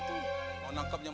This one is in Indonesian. jangan lari lo